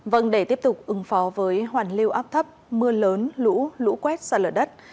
vâng để tiếp tục ứng phó với hoàn lưu áp thấp mưa lớn lũ lũ quét xa lở đất